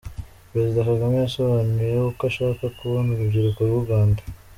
Perezida Kagame yasobanuye uko ashaka kubona urubyiruko rw’u Rwanda.